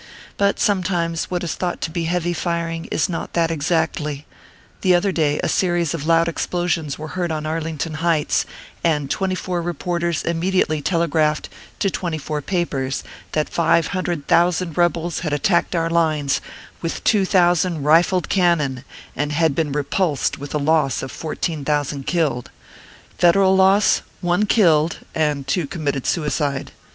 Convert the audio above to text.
But sometimes what is thought to be heavy firing is not that exactly ; the other day, a series of loud explosions were heard on Arlington Heights, and twenty four reporters immediately tele graphed to twenty four papers that five hundred thousand rebels had attacked our lines with two thousand rifled cannon, and had been repulsed with 100 ORPHEUS C. KERR PAPERS. a loss of fourteen thousand killed. Federal loss one killed, and two committed suicide.